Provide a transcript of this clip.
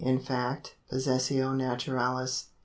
rin fact — possessio naturalis.